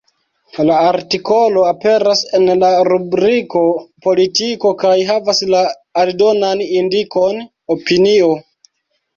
La artikolo aperas en la rubriko “Politiko” kaj havas la aldonan indikon “Opinio”.